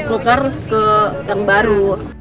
loker ke yang baru